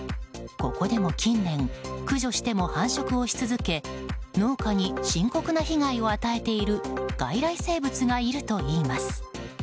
ここでも近年駆除しても繁殖をし続け農家に深刻な被害を与えている外来生物がいるといいます。